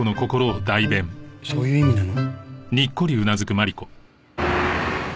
そういう意味なの？